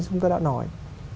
chúng ta đã nói